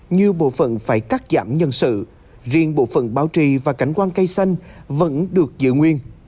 nhiều bộ phận phải cắt giảm nhân sự riêng bộ phận báo trì và cánh quang cây xanh vẫn được giữ nguyên